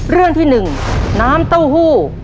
เรื่องที่๑น้ำเต้าหู้